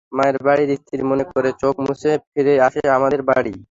মায়ের বাড়ির স্মৃতি মনে করে চোখ মুছে মুছে ফিরে আসে আমাদের বাড়ি।